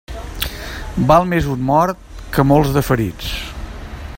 Val més un mort que molts de ferits.